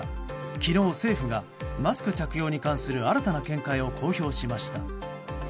昨日、政府がマスク着用に関する新たな見解を公表しました。